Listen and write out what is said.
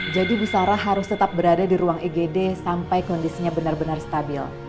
jadi bu sarah harus tetap berada di ruang igd sampai kondisinya benar benar stabil